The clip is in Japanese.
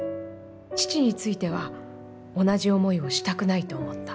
父については、同じ思いをしたくないと思った」。